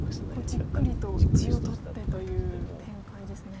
じっくりと地を取ってという展開ですね。